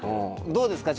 どうですか？